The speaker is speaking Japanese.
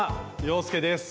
洋輔です。